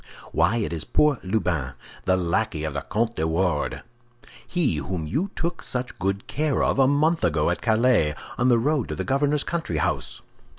"Why, it is poor Lubin, the lackey of the Comte de Wardes—he whom you took such good care of a month ago at Calais, on the road to the governor's country house!"